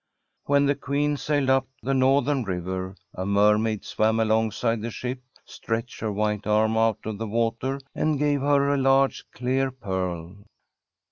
When the Queen sailed up the northern river, a mermaid swam alongside the ship, stretched her white arm out of the water, and gave her a large clear pearl.